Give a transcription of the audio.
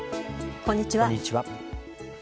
こんにちは。